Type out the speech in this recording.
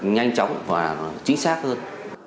nhanh chóng và chính xác hơn